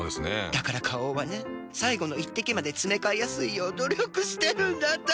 だから花王はね最後の一滴までつめかえやすいよう努力してるんだって。